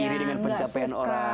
iri dengan pencapaian orang